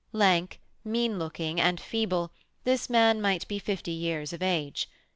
Lank, mean looking, and feeble, this man might be fifty years of age.